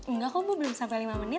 enggak kok bu belum sampai lima menit